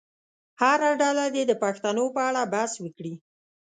هره ډله دې د پوښتنو په اړه بحث وکړي.